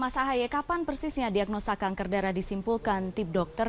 mas ahaye kapan persisnya diagnosa kanker darah disimpulkan tim dokter